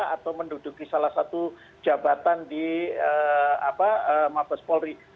atau menduduki salah satu jabatan di mabes polri